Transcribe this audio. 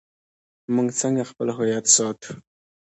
موږ څنګه خپل هویت ساتو؟